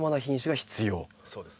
そうです。